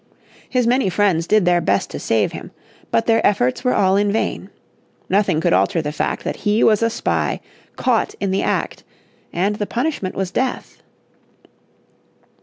His many friends did their best to save him. But their efforts were all in vain. Nothing could alter the fact that he was a spy caught in the act, and the punishment was death.